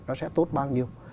nó sẽ tốt bao nhiêu